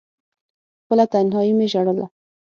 خپله تنهايي مې ژړله…